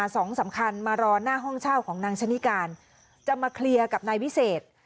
สองสำคัญมารอหน้าห้องเช่าของนางชนิการจะมาเคลียร์กับนายวิเศษ